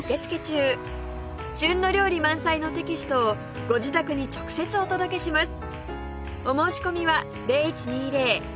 旬の料理満載のテキストをご自宅に直接お届けします